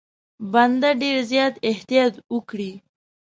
بنده ډېر زیات احتیاط وکړي.